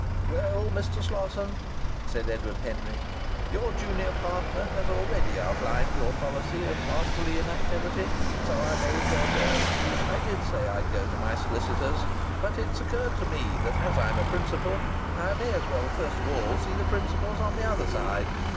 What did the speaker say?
"Well, Mr. Slosson," said Edward Henry, "your junior partner has already outlined your policy of masterly inactivity. So I may as well go. I did say I'd go to my solicitors. But it's occurred to me that as I'm a principal I may as well first of all see the principals on the other side.